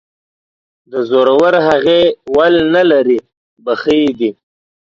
د زورورهغې ول نه لري ،بخۍ دى.